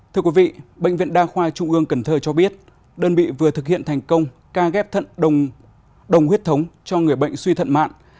thưa quý vị bệnh viện đa khoa trung ương cần thơ cho biết đơn vị vừa thực hiện thành công ca ghép thận đồng huyết thống cho người bệnh suy thận mạng